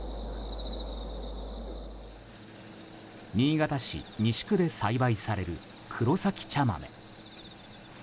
新潟市西区で栽培されるくろさき茶豆。